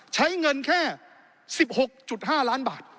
ใช้เงินแค่๑๖๕ล้านบาท